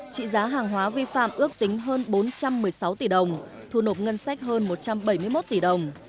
trị giá hàng hóa vi phạm ước tính hơn bốn trăm một mươi sáu tỷ đồng thu nộp ngân sách hơn một trăm bảy mươi một tỷ đồng